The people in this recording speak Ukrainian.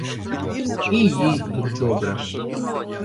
І їй тут добре.